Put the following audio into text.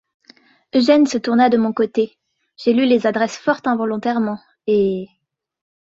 Eugène se tourna de mon côté. — J’ai lu les adresses fort involontairement, et...